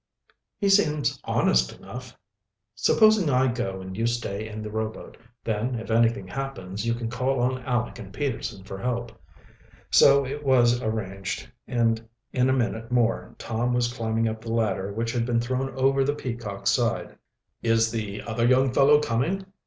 "He seems honest enough." "Supposing I go and you stay in the rowboat? Then, if anything happens, you can call on Aleck and Peterson for help." So it was arranged, and in a minute more Tom was climbing up the ladder which had been thrown over the Peacock's side. "Is the other young fellow coming?"